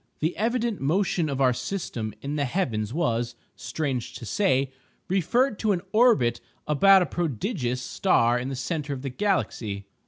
The evident motion of our system in the heavens was (strange to say!) referred to an orbit about a prodigious star in the centre of the galaxy.